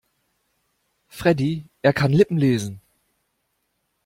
Freddie, er kann Lippen lesen.